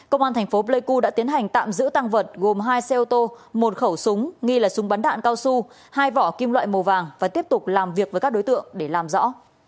công an thành phố pleiku đã tiến hành tạm giữ tăng vật gồm hai xe ô tô một khẩu súng nghi là súng bắn đạn cao su hai vỏ kim loại màu vàng và tiếp tục làm việc với các đối tượng để làm rõ